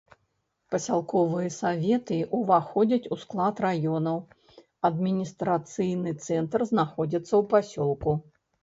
Пасялковыя саветы ўваходзяць у склад раёнаў, адміністрацыйны цэнтр знаходзіцца ў пасёлку.